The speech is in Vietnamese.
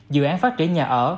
dự án phát triển nhà ở